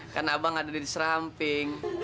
kan abang ada diri seramping